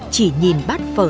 chỉ nhìn bát phở này